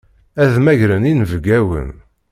Ad mmagren inebgawen.